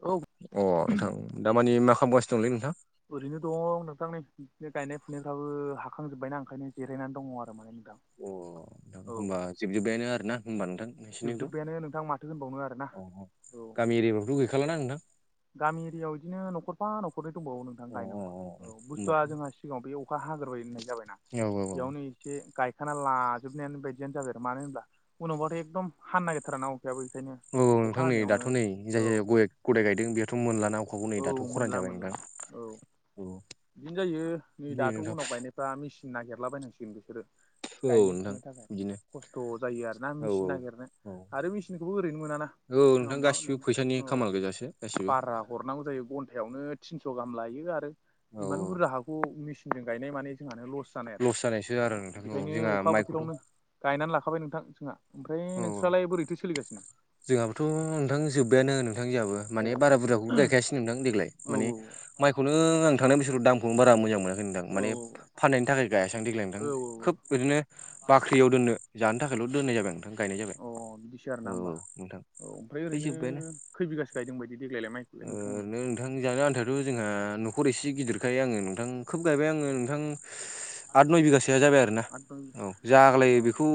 औ। अ नोंथां दाामानि मा खमायगासिनो दंलै नोंथां। ओरैनो दङ नोंथां नै बिदिनो गायनाय फुनायफ्राबो हाखांजोब्बायना ओंखायनो जिरायनानै दङ आरो माने नोंथां। अ औ होमबा जोबजोब बायानो आरोना होनबा नोंथां। नोंसोरनिथ' जोबजोब्बायानो नोंथां माथो होनबावनो आरोना अ-अ औ गामि एरियाफ्रावथ' गैखलाना नोंथां। गामि एरियायाव बिदिनो नखरफा न'खरनै दंबावो नोंथां अ गायनो अ अ औ होमबाथ' बुस्थुआ जोंहा सिगाङाव बे अखा हाग्रोबाय होननाय जाबायना औ औ बेयावनो एसे गायखाना लाजोबनायानो बायदियानो जाबाय आरो मानो होनब्ला उनावबाथ' एकदम हानो नागिरथाराना अखायाबो बेखायनो औ औ अखा नोंथां नै दाथ' हानायावनो नै जाय औ। जायगायाव गय गदाय गायदों बेयावथ' मोनलाना। अखाखौ नै औ दाथ' खरान मोनला जाबाय मोनला नोंथां औ। औ। बिदिनो जायो नै दे दाथ' नोंथां उनाव गायनायफ्रा मेसिन नागिरलाबायनांसिगोनसो बिसोरो औ गायनो नोंथां फुनो थाखाय बिदिनो खस्थ' जायो आरोना औ मेचिन औ नागिरनाय औ आरो मेचिनखौबो ओरैनो मोनाना औ नोंथां गासिबो फैसानि जों खामाल गोजासो गासिबो बारा हरनांगौ जायो घन्नोिन' गाह लायो औ इमान बुरजा हाखौ मि मिसिनजों गायनाय माने जोंहानो लस जानाय आरो जानायसो आरो नोंथां औ जोंहा बिदिखायनो अखा माइखौथ' बोथोरावनो गायनानै लाखाबाय नोंथां जोंहा ओमफ्राय नोंस्रालाय बोरैथोलिगासिनो? जोंहाबथ' नोंथां जोबबायानो नोंथां जाहाबो अ माने बारा बुरजाखौ गायखायासै नोंथां देग्लायो औ मानि माइखौनो आं थांनाय बिसोर दामखौनो बारा मोजां मोना खै होनदां औ माने फाननायनि थाखाय गायसै देग्लाय औ नोंथां औ खोब ओदिनो बाख्रियाव दोननो जानो थाखायल' दोननाय जाबाय नोंथां गायनाय जाबाय। औ अ बिदिसो आर औ ना होनोमबा औ नोंथां औ ओमफ्राय ओरैनो खै बिगासो गायदों बायदि देग्लायलाय माइखौलाय नोंथांमोनलाय? ओं नोंथां जानो आनथाथ' जोंहा न'खर एसे गिदिरखायो आङो नोंथां खोब गायबाय आङो नोंथां आद नय बिगासोया जाबाय आरो ना आद नय औ बिगा जाग्लायो औ बेखौ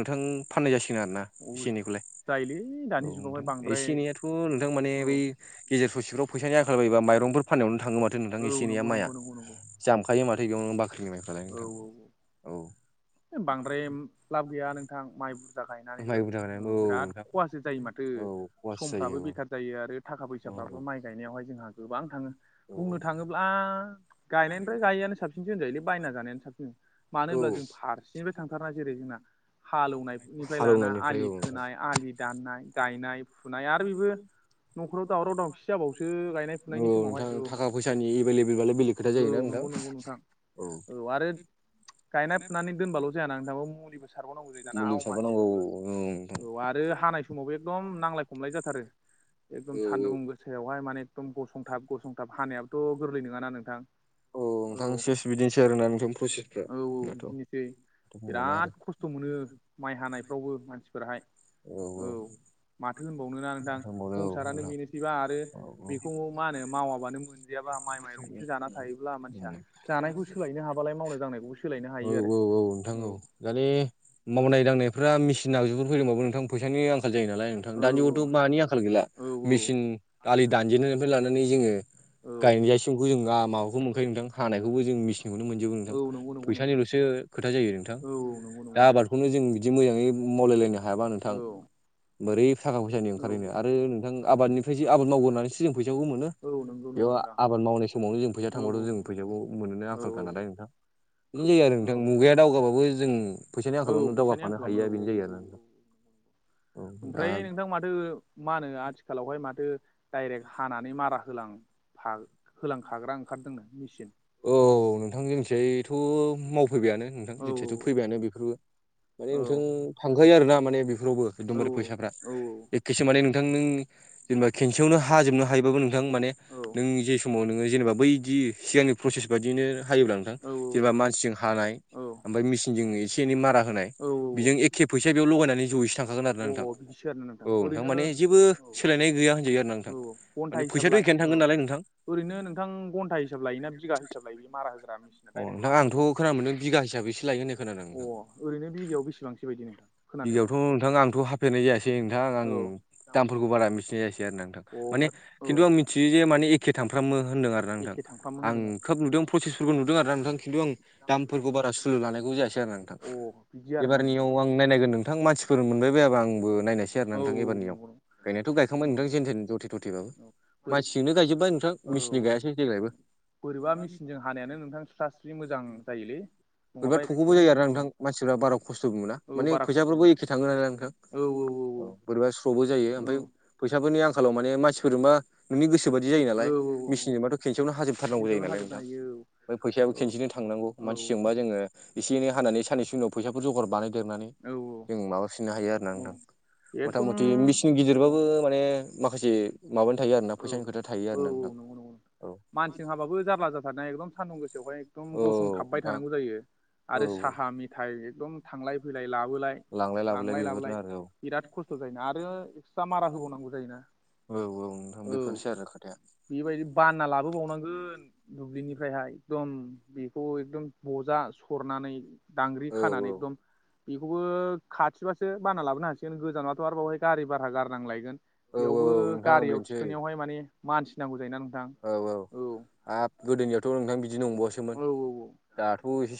नोंथां फाननाय जासिगोन आरोना। औ एसे एनैखौलाय जायोलै औ दानि जुगावहाय नोंथां बांद्राय एसे एनैयाथ' नोंथां माने औ बै गेजेर ससेफ्राव फैसानि आखाल बायोबा माइरंफोर फाननायावनो थाङो माथो नोंथां औ ए नेैया नंगौ माया नंगौ नंगौ नंगौ जामखायो माथो बेयाव बाख्रिनि माइफ्रालाय औ नोंथां औ। औ बांद्राय लाब गैया नोंथां माइ बुर बुरजा माइबो थाखायनो गायनानैबो औ बिराद नोंथां खहासो जायो माथो औ खहासो समफ्राबो जायो बेखारसो जायो आरो थाखा औ फैसाफ्राबो माइ गायनायावहाय जोंहा गोबां थाङो। औ बुंनो औ थाङोब्ला गायनायनिफ्राय गायैयानो साबसिनसो होनजायोलै। बायना जानायानो साबसिन मानो औ होनब्ला जों फारसेनिफ्राय थांथारा जेरै जोंना हाल एवनायनायनिफ्राय लाना हालौनायनिफ्राय आलि औ नोंथां खोनाय आलि दाननाय गायनाय आ फुनाय आरो बेबो न'खराव दावराव दावसि जाबावसो गायनाय फुनायनि औ समावहाय नोंथां औ। थाखा फैसानि एभेललेबालाय बेलेग खोथा औ जायोना नंगौ नंगौ नोंथां औ आरो। गायना फुनानै दोनबाल' जाया ना नोंथां मुलिबो सारबावनांगौ जायो दाना मुलि आवमा फिसाबो नांगौ सोबो औ नोंथां आरो। आरो हानाय समावबो एकदम नांलाय खमलाय जाथारो एकदम औ औ सानदुं गो सायावहाय माने एखदम गसंथाब गसंथाब हानायाबोथ' गोरलै नङाना नोंथां। औ नोंथां सेस बिदिनोसै आरोना नोंथां प्रसेसफ्रा औ औ माथो बिदिनोसै बिराद खसथ' मोनो माइ हानायफ्रावबो मानसिफोराहायो औ। माथो होनबावनो ना नोंथां होनबावनो आरो संसारानो बेनोसैबा आरो आरो बेखौ मा होनो मावाबानो मोनो। गैयाबा माइ माइरंखौ जाखा थायोब्ला मानसिया जानायखौ सोलायनो हाबालाय मावनाय दांनायखौबो सोलायनो हायो आरो। दानानि मावनाय दांनायफ्रा मेसिन आगजुफोर फैदोंबाबो नोंथां फैसानि आंखा आंखाल जायो नालाय नोंथां औ दानियावथ' मानि आंखाल गैला। औ मेचिन आलि दानजेननायनिफ्राय लानानै जोङो ओ औ गायजासिमखौ जों माबाखौ मोनखायो नोंथां हानायखौबो जों मिसिनखौनो मोनो। औ नोंथां नंगौ नंगौ नोंथां फैसानिल'सो खोथा जायो नोंथां औ नंगौ नंगौ दा नोंथां आबादखौनो जोंङो बिदि मोजाङै मावलायलायनो हायाबा औ नोंथां। बोरै थाखा फैसानि औ ओंखारहैनो आरो नोंथां आबादनिफ्रायसो आबाद मावगोन होननानैसो जों फैसाखौ मोनो। औ नंगौ नंगौ बेयाव नोंथां आबाद मावनाय समावनो जों फैसा औ थांबाथ' जों फैसाखौ मोनो औ आंखालखा नालाय नोंथां बिदिनो जायो आरो औ नोंथां मुगाया दावखो होनबाबाबो जों फैसानि औ आंखालावनो फैसानि दावगाफानो आंखालावनो हाहैया औ बेनो जायो औ आरो दा औ औ दा ओमफ्राय नोंथां माथो मा होनो आथिखालावहाय माथो दडाइरेक्ट हानानै मारा होलां हाल होलांखाग्रा ओंखारदोंनो मेसिन औ नोंथां जोंनिथिंजायथ' मावफैबायानो नोंथां औ जोंनिथिंजाथ' फैबायानो बेफोरबो माने नोंथां थांखायो आरो ना माने बेफोरावबो औ एखदमबारे फैसाफ्रा औ एखेस माने नोंथां नों जेनेबा खेनसेयावनो हाजोबनो हायोबाबो नोंथां माने औ नों जे समाव नोङो जेनेबा बैदि सिगांनि प्रसेस बायदिनो हायोब्ला नोंथां औ जेनेबा मानसिजों हानाय औ ओमफ्राय मेसिनजों एसे एनै मारा होनाय औ औ बेजों एखे फैसाया बेयाव लगायनानै जहैसो थां थाखांगोन आरो ना अ नोंथां बिदिसो आरोना औ नोंथां ओरैनो माने जेबो सोलायनाय गैया होनजायो आरो ना नोंथां। औ घन्टा माने हिसाब फैसाथ लाय एखेयानो औ थांगोन नालाय नोंथां। ओरैनो नोंथां घन्ता हिसाब लायो ना बिघा हिसाब लायो बे मारा होग्रा अ डाइरेक्ट नोंथां हानानै आंथ' होलां खोन मोनादोंदों बिगा हिसाबैसेो लायो होननाय खोनादां। अ ओरैनो बिघायाव बेसेबां बादि नोंथां। बिगायावथ' खोनानायावहाय नोंथां आंथ' हाफेरनाय जायासै नोंथां आं औ दामफोरखौ बारा मिथिनाय जायासै आरो नोंथां। अ माने ओमफ्राय औ खिन्थु आं मिथियो जे माने एखे थामफ्रामो होनदों आरो। आरोा नोंथां एखे थांफ्रामो आं होनदों आरो खोब नुदों पसिसफोरखौ नुदों आरो नोंथां खिन्थु आं दामफोरखौ बारा सुलु लानायखौ जायासै आरो नोंथां। अ बिदि आरोना एबारनियाव नोंथां। आं नायनायगोन नोंथां मानसिफोर मोनबाय बायाबा आंबो नायनोसै आरो औ नोंथां औ एबारनियाव नंगौ गायनायथ' गखांबाय नंगौ औ नोंथां जेन थेन बाबो औ बोरै मानसिजोंनो गायजोब्बाय नोंथां औ मिचिननि गायासै देग्लायबो बोरैबा मेसिनजों हानायानो नोंथां स्राास्रि मोजां जायोलै। बोरैबा नङाबा थख'बो एकदम जायो आरो औ नोंथां मानसिफ्रा बारा खस्थ'बो मोना औ माने बारा खस्थ' फैसाफोरबो मोना एखे थाङो नालाय नोंथां। औ बोरैबा स्र'बो जायो ओमफ्राय औ फैसाफोरनि आं खालाव माने मानसिफोरबा नोंनि गोसो बादि जायो नालाय औ औ मेसिनजोंबाथ' खेनसेयावनो हाजोबथारनांगौ जायो खेनसेयावनो नालाय हाजोबनो नोंथां। हायो फैसाबो औ खनसेनो थांनांगौ औ मानसिजोंबा जोङो एसे एनै हानानै साननसुनियाव फैसाफोर जगर बानायदेरनानै औ जों माबाफिननो हायो आरो ना नोंथां औ मथा एकदम मथि मेचिन औ गिदिरबाबो माने माखासे माबानि थायो आरोना औ फैसानि खोथा थायो औ आरो ना नंगौ नंगौ नोंथां। औ मानसिजों हाबो जारला जाराथा एकदम सान्दुं गोसायावहाय एकदम औ गसंथाबबाय नोंथां थानांगौ जायो। औ आरो साहा मेथाइ एकदम थांलाय फैलाय लाबोलाय। लांलाय लाबोलाय बिराद खस्थ' जायोना आरो एक्सट्रा मारा होबावनांगौ जायोना। औ औ नोंथां औ बेफोरनोसै आरो खोथाया। बेबायदि बाना लाबोबावनांगोन। दुब्लिनिफ्रायहाय एकदम बेखौ एकदम बजा सरनानै दांग्रि औ खानानै एकदम बेखौबो खाथिबासो बाना लाबोनो हासिगोन गोजानाथ' आरो बावहाय गारि भारा गारनां लायगोन। औ औ बेयावबो नोंथां गारियाव बेनोसै थिखोनायावहाय माने मानसि नांगौ जायोना नोंथां औ। हाब गोदोनियावथ' नोंथां बिदि नंबावसो औ दाथ' एसे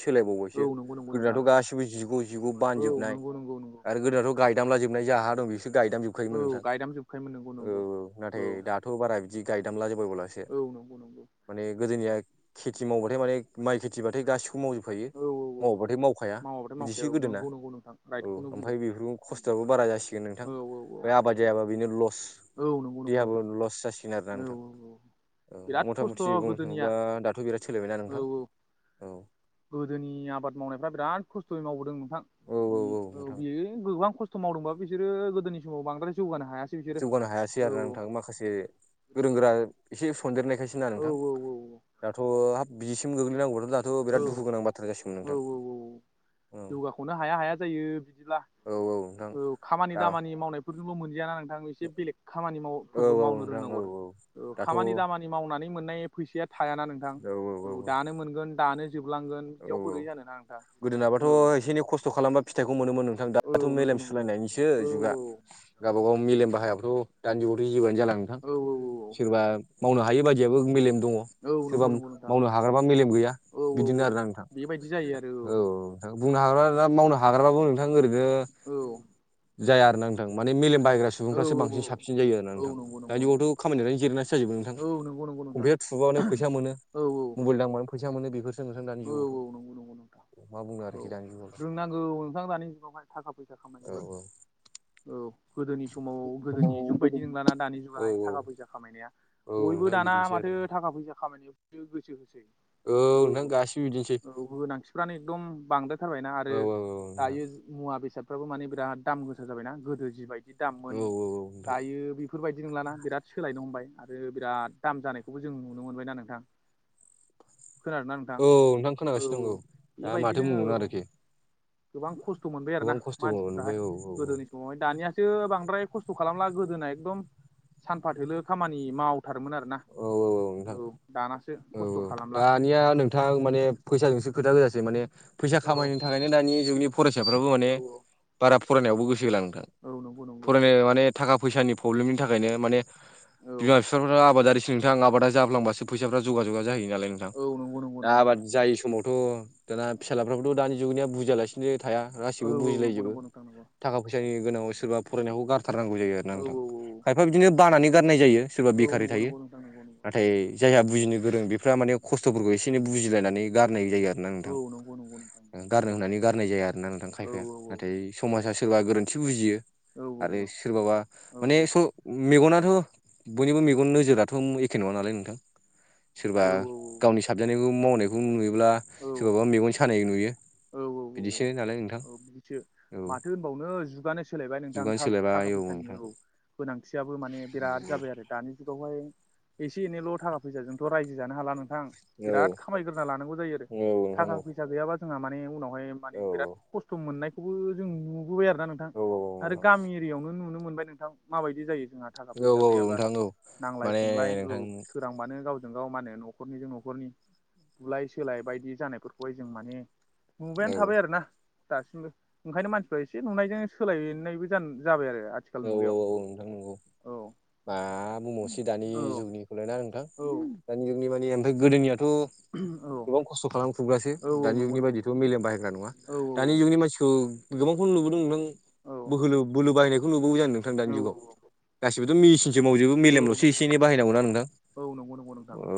औ सोलायबावबायसो नंगौ नंगौ नोंथां गोदोथ' गासिबो जिग जिग जिग औ बानजोबनाय नंगौ नंगौ नंगौ आरो गोदानथ' गायदामलाजोबनाय जा हा दं बिसोर गायदामलाजोब। औ योमोन नोंथां गायदामजोबखायोमोन नंगौ नंगौ औ नाथाय दाथ' बारा बिदि गायदामला जाबो मावला। औ नंगौ नंगौ। माने गोदोनिया खेथि मावबाथाय माने माइ खेथिबाथाय गासिखौबो मावजोबखायो। औ औ औ मावबाथाय मावखाया मावाबाथाय मावखाया बिदिसो औ गोदोना नंगौ नंगौ नोंथां औ राइटखौनो बुंदों ओमफ्राय बेफोरखौ खस्थ'आबो बारा जासिगोन। नोंथां औ औ औ बे आबाद जायाबा बेनो लस। औ नंगौ नंगौ देहाबो नोंथां लस जासिगोन आरोना औ औ औ नोंथां। औ बिराद मथा खस्थ' मथि बुंनो गोदोनिया थाङोब्ला दाथ' बिराद सोलायबायना औ नोंथां औ औ। गोदोनि आबाद मावनायफ्रा बिराद खस्थ'यै मावबोदों नोंथां औ बेयो गोबां खस्थ' मावदोंबा बिसोरो गोदोनि समाव बांद्राय जौगानो हायासै। बिसोरो जौगानो हायासै औ आरोना नोंथां माखासे। गोरों गोरा एसे सनदेरनायखायसो ना औ नोंथां। औ औ दाथ' हाब बिसिम गोग्लैनांगौबाथ' दाथ' औ बिराद दुखु गोनां बाथ्रा जासिगोन औ नोंथां। औ औ औ जौगाख'नो हाया हाया जायो बिदिब्ला। औ औ। नोंथां औ खामानि दा दामानि मावनायफोरखौबो मोनलियाना नों आं एसे बेलेग खामानि माव औ फोरबो औ नोंथां रोंनांगौ औ आरो औ ओ दाथ' औ खामानि दामानि खामानि मावनानै मोननाय फैसाया थायाना नोंथां औ दानो मोनगोन दानो जोबलांगोन। औ बिदियाव बोरै जानोना नोंथां गोदोनाबाथ' औ एसे एनै खस्थ' खालामबा फिथाइखौ मोनोमोन नोंथां औ दाथ' नंगौ मेलेम नंगौ सुलायनायनिसो औ जुगा। गावबा गाव मेलेम बाहाया बाथ' दानि जुगावथ' जेबोआनो जाला नोंथां। औ नोंथां सोरबा मावनो हायि बायदियाबो मेलेम दङ। औ सोरबा नंगौ नंगौ नोंथां मावनो हाग्राबा मेलेम गैया औ औ बिदिनो औ आरोना बेबायदि जायो आरो औ। औ नोंथां बुंनो हाग्राजा मावनो हाग्राबाबो नोंथां ओरैनो ओ औ जाया आरोना नोंथां माने मेलेम बायग्रा औ सुबुंफ्रासो औ बांसिन साबसिन जायो आरोना औ औ नोंथां। नंगौ दानि नंगौ नंगौ जुगावथ खामानि दनानै जिरायनासो जोबो नोंथां औ नंगौ नंगौ नोंथां कम्पिउटार थुबानो फैसा मोनो औ मबाइल दांबानो। फैसा मोनो बेफोरसो नोंथां दानि जुगाव औ नंगौ नंगौ औ रोंनांगौ नोंथां दानि जुगावहाय थाखा फैसा औ खामायनोबो। औ गोदोनि समाव गोदोनि जुग बायदि नंलाना दानि औ जुगाहाय थाखा फैसा औ खामायनायाबो। बयबो नोंथां दाना बिदिनोसै माथो आरोना थाखा फैसा खामानियावनो गोसो होसै। औ नों गासिबो बिदिनोसै औ गोनांथिफ्रानो एकदम बांद्रायथारबायना आरो औ औ औ नोंथां दायो मुवा बेसादफ्राबो माने बिराद दाम गोसा जाबायना गोदो जिबायदि औ दाममोन औ नोंथां दायो बे बेफोरबायदि नंलाना बिराद सोलायनो हमबाय आरो बिराद दाम जानायखौबो जों नुनो मोनबायना नोंथां। [inaudible] खोनादों ना नोंथां औ नोंथां औ खोनागासिनो दं औ दा माथो बेबायदिनो बुंबावनो औ। आरोखि गोबां खस्थ' मोनबाय आरोना गोबां खस्थ'बो मानसिफ्राहाय नुबाय औ औ गोदोनि समावहाय दानियासो बांद्राय खस स्थ' खालामला गोदोना एकदम। सानफाथोलो खामानि मावथारोमोन आरोना औ औ नोंथां औ। दानासो औ खस्थ' औ खालामला दानिया नोंथां माने फैसाजोंसो खोथा गोजासै माने फैसा औ खामायनो थाखायनो दानि जुगनि फरायसाफ्राबो माने औ बारा फरायनायावबो गोसो होला नोंथां। औ नंगौ नंगौ फरायनो माने थाखा फैसानि प्रब्लेमनि थाखायनो माने औ बिमा बिफाफ्रा आबादारिसो नोंथां आबादा जाफ्लांबासो फैसाफ्रा जोबा जोबा जाहोयो। दालाय नोंथां औ नंगौ नंगौ दा नंगौ आबाद नोंथां जायि समावनो थ' दाना फिसालाफ्राबोथ' दानि जुगनिया बुजिया लासिनो थाया। गासिबो औ नंगौ बुजिलायजोबो नंगौ नोंथां नंगौ थाखा फैसानि गोनाङाव सोरबा फरायनायखौ गारो थारनांगौ जायो आरो ना औ नोंथां औ खायफा बिदिनो बानानै गारनाय जायो सोरबा औ बेखारै नंगौ थायो नंगौ नोंथां नंगौ नंगौ नाथाय जायहा बुजिनो गोरों बेफ्रा माने खस्थ'फोरखौ एसे एनै बुजिलायनानै गारनाय जायो आरो। ना औ नोंथां नंगौ नंगौ नोंथां गारनो होननानै गारनाय जाया आरोना नोंथां औ खायफाया औ नाथाय समाजा सोरबा गोरोन्थि सो बुजियो। औ औ आरो सोरबाबा औ माने स मेगनाथ' बयनिबो मेगन नोजोराथ' एखे नङा नालाय नोंथां। सोरबा औ गावनि साबजानायखौ मावनायखौ नुयोब्ला औ सोरबाबा मेगन सानाय नुयो। बिदिसो नालाय नोंथां। सैथो औ माथो होनबावनो जुगानो सोलायबाय नोंथां जुगानो थार थाखा सोलायबाय औ फैसानि नोंथां जुगा गोनांथियाबो माने बिराद जाबाय आरो दानि जुगावहाय एसे एनैल' थाखो फैसाजोंथ' रायजो जानो हाला नोंथां औ बिराद खामायग्रोना लानांगौ जायो आरो औ नोंथां थाखा औ फैसा गैयाबा। जोंहा माने उनावहाय माने औ बिराद खस्थ' मोननायखौबो जों नुबोबाय आरोना नोंथां। औ औ आरो नोंथां गामि एरियावनो नुनो मोनबाय नोंथां। माबायदि जायो जोंहा थाखा औ फैसा औ गैयाबा नोंथां औ नांलाय माने खमलाय औ नोंथां सोरांबानो गाव जों गाव मा होनो नखरनिजों नखरनि बुलाय सोलाय बायदि जानायफोरखौहाय जों माने नुबायानो थाबाय औ आरोना। दासिमबो ओंखायनो मानसिफ्रा एसे नुनायजों सोलायनायबो जाबाय आरो आथिखाल औ औ मुगायाव नोंथां नंगौ औ मा बुंबावसै दानि औ जुगनि खलायना नोंथां औ दानि जुगनि माने ओमफ्राय गोदोनियाथ' गोबां औ खस्थ' खालामफुग्रासो दानि जुगनि बा [unintelligible] मेलेम बाहायग्रा नङा दानि जुगनि मानसिखौ गोबांखौनो नुबोदों नोंथां बोहोलो बोलो बाहायनायखौ नुबावो जानो नोंथां दानि जुगाव? गासिबोथ' मिसिनसो मावजोबो मेलेम'लसो एसे एनै बाहायगौना नोंथां? औ नंगौ नंगौ नोंथां औ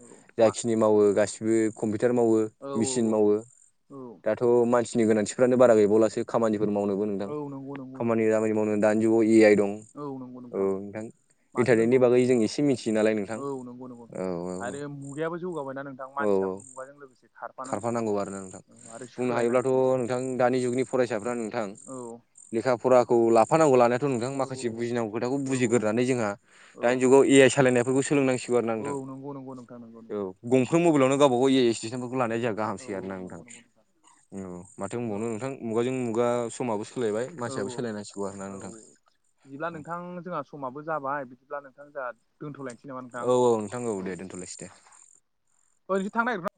औ जाखिनि मावो गासिबो कम्पिउटार मावो औ मेसिन मावो। औ दाथ' मानसिनि गोनांथिफ्रानो बारा गैबावलासो खामानिफोर मावनोबो नोंथां औ नंगौ औ नंगौ नोंथां औ मा औ नंगौ नंगौ खामानि दामानि मावनो दानि जुगाव ए आइ दं। औ नंगौ नोंथां। माथो इन्टारनेटनि होनबावनो बागै जों एसे मिथियो नालाय नोंथां औ-औ नंगौ नंगौ औ औ आरो औ मुगायाबो जौगाबायना नोंथां औ औ मानसियाबो मुगाजों लोगोसे खारफानांसिगोन। खारफानांगौ आरोना नोंथां औ आरो बुंनो हायोब्लाथ' सोलायनांसिगोनबो नोंथां दानि जुगनि फरायसाफ्रा नोंथां औ लेखा फरा खौ लाफानांगौ लानायाथ' नोंथां औ माखासे बुजिनांगौ खोथाखौ बुजिग्रोना जोंहा औ दानि जुगाव ए आइ सालायनायफोरखौ सोंलोंनांसि गौ औ नोंथां नंगौ नंगौ नोंथां नंगौ नंगौ औ नंगौ गंफ्रोम मबाइलावनो गावबा गाव ए ए सटेसनफोरखौ लानाय जाया औ गाहामसै आरोना औ नोंथां। नंगौ नंगौ औ माथो औ बुंबावनो नोंथां मुगाजों मुगा समाबो सोलायबाय औ मानसियाबो सोलायनांसिगौ आरोना औ नोंथां। बिदिब्ला नोंथां जोंहा समाबो जाबाय बिदिब्ला नोंथां जोंहा दोन्थ'लायनोसै नामा नोंथां औ औ नोंथां औ दे दोनथ'लायसै ओइ नोंसोर थांनो नागिर